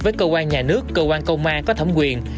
với cơ quan nhà nước cơ quan công an có thẩm quyền